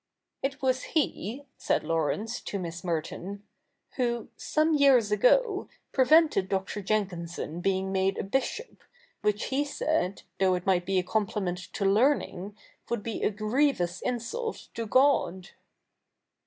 ' It was he,' said Laurence to Miss Merton, ' who, some years ago, prevented Dr. Jenkinson being made a bishop, which he said, though it might be a compliment to learning, would be a grievous insult to Ciod.'